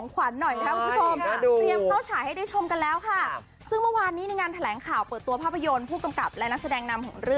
กันแล้วค่าซึ่งวันนี้ได้งานแถลงข่าวเปิดตัวภาพยนตร์ผู้กำกับ